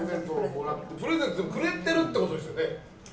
プレゼントくれてるってことですよね。